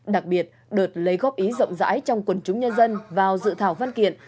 đặc biệt đợt lấy góp ý rộng rãi trong quần chúng nhân dân vào dự thảo văn kiện